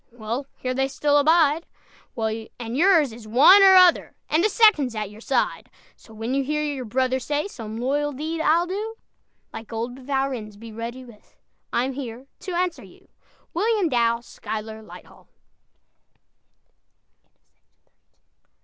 Well, here they still abide; And yours is one or other, And the second's at your side; So when you hear your brother say, "Some loyal deed I'll do," Like old Valrennes, be ready with "I'm here to answer you!" WILLIAM DOUW SCHUYLER LIGHTHALL.